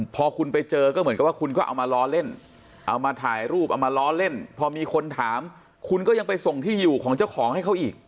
พอคุณไปเจอก็เหมือนกับว่าคุณก็เอามาล้อเล่นเอามาถ่ายรูปเอามาล้อเล่นพอมีคนถามคุณก็ยังไปส่งที่อยู่ของเจ้าของให้เขาอีก